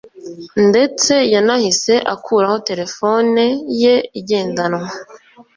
ndetse yanahise akuraho telefone ye igendanwa